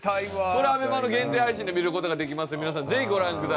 これＡＢＥＭＡの限定配信で見る事ができますので皆さんぜひご覧ください。